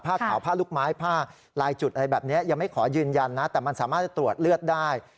ขาวผ้าลูกไม้ผ้าลายจุดอะไรแบบนี้ยังไม่ขอยืนยันนะแต่มันสามารถจะตรวจเลือดได้